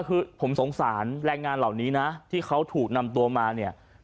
คือผมสงสารแรงงานเหล่านี้นะที่เขาถูกนำตัวมาเนี่ย